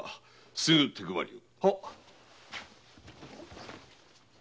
すぐ手配りを。